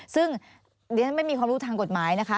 ซึ่งดิฉันไม่มีความรู้ทางกฎหมายนะคะ